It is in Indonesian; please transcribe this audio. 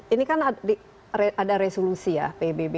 ini kan ada resolusi ya pbb